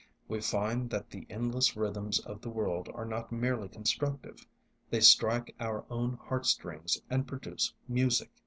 We find that the endless rhythms of the world are not merely constructive; they strike our own heart strings and produce music.